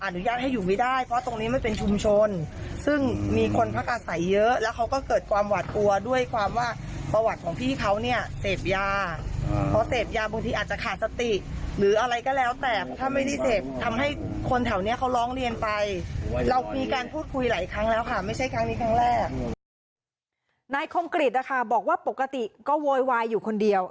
นายคมกริจนะคะบอกว่าปกติก็โวยวายอยู่คนเดียว